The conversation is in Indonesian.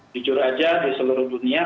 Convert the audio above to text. jujur aja di seluruh dunia